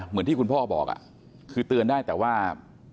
เหมือนที่คุณพ่อบอกคือเตือนได้แต่ว่า